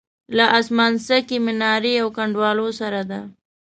له اسمانڅکې منارې او کنډوالو سره ده.